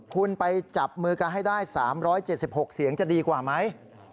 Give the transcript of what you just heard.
คุณไปจับมือกันให้ได้๓๗๖เสียงจะดีกว่าไหม